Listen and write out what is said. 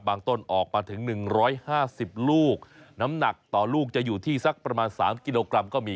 ต้นออกมาถึง๑๕๐ลูกน้ำหนักต่อลูกจะอยู่ที่สักประมาณ๓กิโลกรัมก็มี